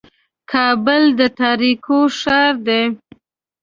کابل د تاریکو ښار دی.